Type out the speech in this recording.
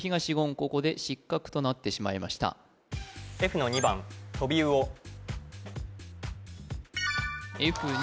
ここで失格となってしまいましたＦの２番Ｆ２